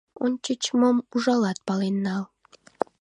— Ончыч, мош ужалат, пален нал.